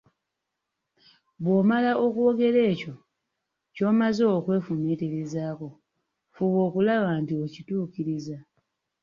Bwomala okwogera ekyo ky'omaze okwefumiitirizaako, fuba okulaba nti okituukiriza.